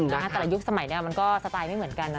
แต่ละยุคสมัยนี้มันก็สไตล์ไม่เหมือนกันนะ